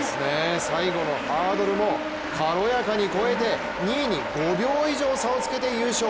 最後のハードルも軽やかに越えて２位に５秒以上差をつけて優勝。